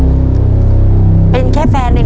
ชุดที่๔ข้าวเหนียว๒ห้อชุดที่๔